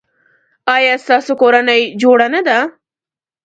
ایا ستاسو کورنۍ جوړه نه ده؟